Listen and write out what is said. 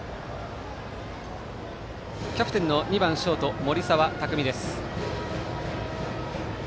キャプテンの２番ショート森澤拓海です。